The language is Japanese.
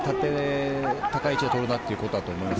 高い位置を取るなということだと思います。